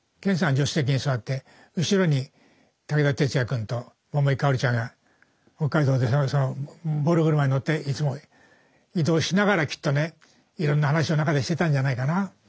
助手席に座って後ろに武田鉄矢君と桃井かおりちゃんが北海道でボロ車に乗っていつも移動しながらきっとねいろんな話を中でしてたんじゃないかな。